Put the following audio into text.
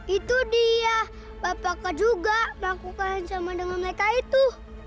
itu dia bapakkah juga melakukan yang sama dengan mereka itu